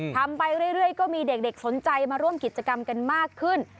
ทำไปเรื่อยก็มีเด็กสนใจมาร่วมกิจกรรมกันมากขึ้น